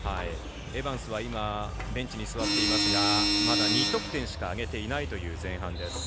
エバンスは今ベンチに座っていますがまだ２得点しか挙げていないという前半です。